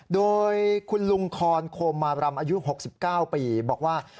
โดยคุณลุงคอนโคมมารำอายุ๖๙ปีบอกว่า